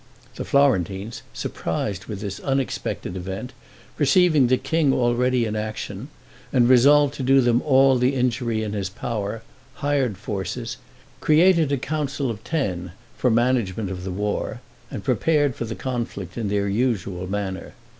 The Florentines, surprised with this unexpected event, perceiving the king already in action, and resolved to do them all the injury in his power, hired forces, created a council of ten for management of the war, and prepared for the conflict in their usual manner.